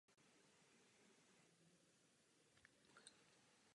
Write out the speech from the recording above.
Hybridní pohony jsou využívány především v silniční a železniční dopravě.